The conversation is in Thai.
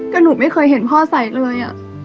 ก็หนูไม่เคยเห็นพ่อใส่เลย